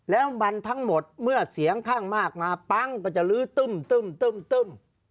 แล้วมันทั้งหมดเมื่อเสียงข้างมากมาปั๊งมันจะลื้อตึ้มตึ้มตึ้มตึ้ม